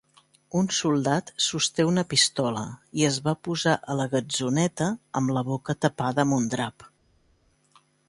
Un soldat sosté una pistola i es va posar a la gatzoneta amb la boca tapada amb un drap.